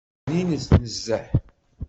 Bninet nezzeh!